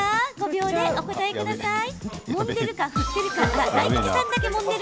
５秒でお答えください。